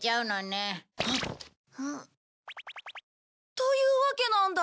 というわけなんだ。